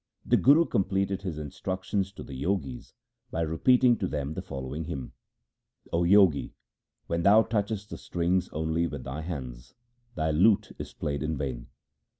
The Guru com pleted his instructions to the Jogis by repeating to them the following hymn :— O Jogi, when thou touchest the strings only with thy hands, thy lute is played in vain.